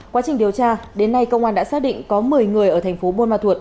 quá trình điều tra đến nay công an đã xác định có một mươi người ở thành phố buôn ma thuột